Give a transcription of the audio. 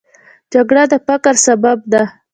جګړه د فقر سبب ده